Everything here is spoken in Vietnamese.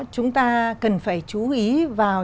chúng ta cần phải chú ý vào